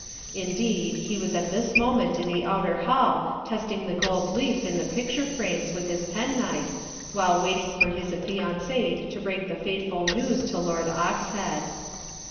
Indeed, he was at this moment in the outer hall testing the gold leaf in the picture frames with his pen knife while waiting for his affianced to break the fateful news to Lord Oxhead.